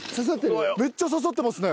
めっちゃ刺さってますね！